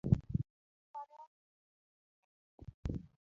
Newaromo e osiptal